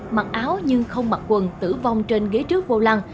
mặc áo nhưng không mặc quần tử vong trên ghế trước vô lăng